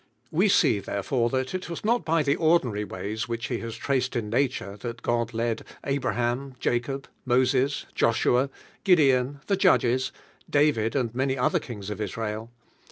We see therefore that it was not by the ordinary ways which He has traced in na ture that God led Abraham, larob, Moses, Joshua, Gideon, the Judges, David and many oilier kings of Israel.